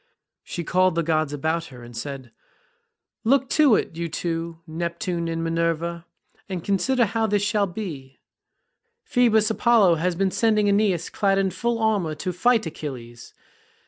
She called the gods about her, and said, "Look to it, you two, Neptune and Minerva, and consider how this shall be; Phoebus Apollo has been sending Aeneas clad in full armour to fight Achilles.